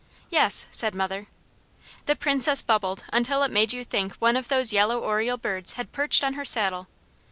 "Yes," said mother. The Princess bubbled until it made you think one of those yellow oriole birds had perched on her saddle.